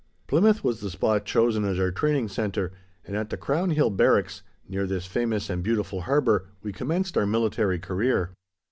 Plymouth was the spot chosen as our training centre, and at the Crown Hill Barracks, near this famous and beautiful harbour, we commenced our military career.